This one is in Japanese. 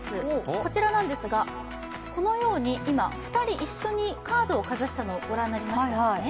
こちらなんですが、今、２人一緒にカードをかざしたのをご覧になりましたか。